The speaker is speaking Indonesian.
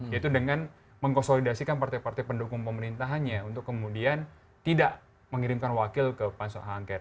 yaitu dengan mengkonsolidasikan partai partai pendukung pemerintahannya untuk kemudian tidak mengirimkan wakil ke pansus hak angket